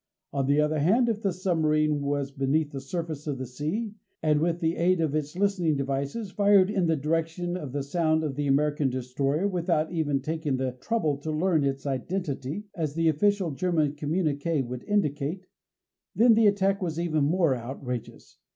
On the other hand, if the submarine was beneath the surface of the sea and, with the aid of its listening devices, fired in the direction of the sound of the American destroyer without even taking the trouble to learn its identity as the official German communique would indicate then the attack was even more outrageous.